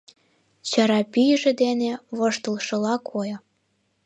Чара пӱйжӧ дене воштылшыла койо.